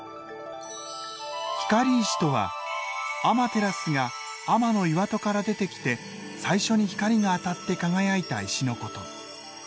光石とはアマテラスが天岩戸から出てきて最初に光が当たって輝いた石のこと。